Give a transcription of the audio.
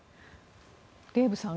デーブさん